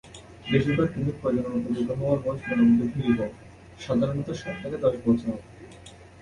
বেশিরভাগ তিমির প্রজনন উপযোগী হবার বয়স মোটামুটি দীর্ঘ, সাধারণত সাত থেকে দশ বছর।